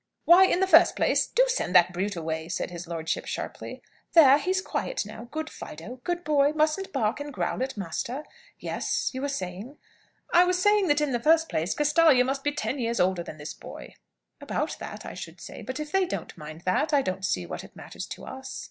"Why, in the first place do send that brute away," said his lordship, sharply. "There! he's quiet now. Good Fido! Good boy! Mustn't bark and growl at master. Yes; you were saying ?" "I was saying that, in the first place, Castalia must be ten years older than this boy." "About that, I should say. But if they don't mind that, I don't see what it matters to us."